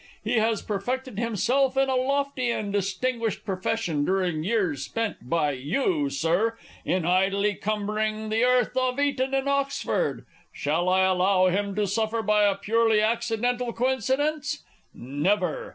He has perfected himself in a lofty and distinguished profession during years spent by you, Sir, in idly cumbering the earth of Eton and Oxford. Shall I allow him to suffer by a purely accidental coincidence? Never!